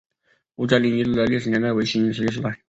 吴家岭遗址的历史年代为新石器时代。